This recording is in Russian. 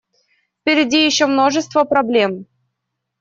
Впереди еще множество проблем.